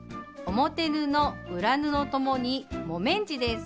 表布裏布ともに木綿地です。